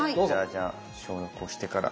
じゃあ消毒をしてから。